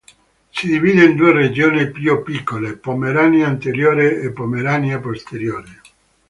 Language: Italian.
Si divide in due regioni più piccole: Pomerania Anteriore e Pomerania Posteriore.